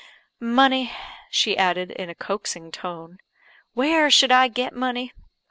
Money!" she added, in a coaxing tone, "Where should I get money?